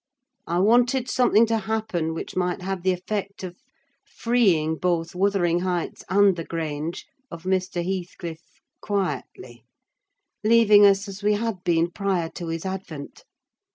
I wanted something to happen which might have the effect of freeing both Wuthering Heights and the Grange of Mr. Heathcliff, quietly; leaving us as we had been prior to his advent.